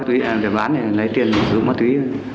tuyển bán để lấy tiền để rủ ma túy